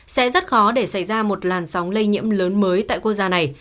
sẽ rất khó để xảy ra một làn sóng lây nhiễm lớn mới tại quốc gia này